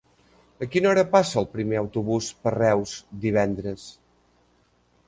A quina hora passa el primer autobús per Reus divendres?